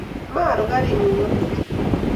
Maro karit ng'ung' amut